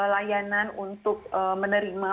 layanan untuk menerima